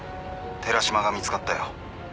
寺島が見つかったよ。